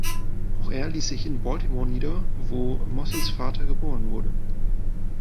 Auch er ließ sich in Baltimore nieder, wo Mossells Vater geboren wurde.